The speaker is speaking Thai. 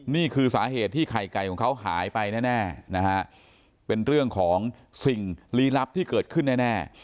นี่คือสาเหตุที่ไข่ไก่ของเขาหายไปแน่นะฮะเป็นเรื่องของสิ่งลี้ลับที่เกิดขึ้นแน่